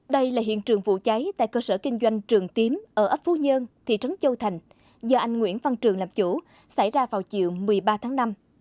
đây là hiện trường vụ cháy tại cơ sở kinh doanh trường tiến ở ấp phú nhơn thị trấn châu thành do anh nguyễn văn trường làm chủ xảy ra vào chiều một mươi ba tháng năm